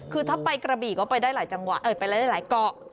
คือถ้าไปกาบีก็ไปได้หลายเกาะ